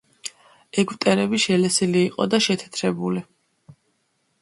ეგვტერები შელესილი იყო და შეთეთრებული.